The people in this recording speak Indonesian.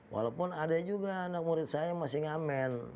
walaupun ada juga anak murid saya yang masih ngamen